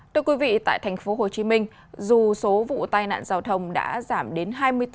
thưa quý vị tại tp hcm dù số vụ tai nạn giao thông đã giảm đến hai mươi bốn